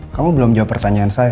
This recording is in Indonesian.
kamu belum jawab pertanyaan saya